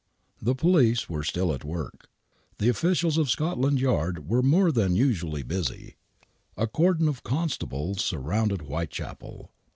The police were still at work. The officials of Scotland Yard were more than usually busy. A cordon of constables surrounded Whitechapel.